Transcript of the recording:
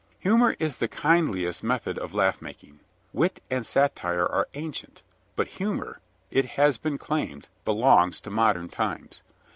Humor is the kindliest method of laugh making. Wit and satire are ancient, but humor, it has been claimed, belongs to modern times.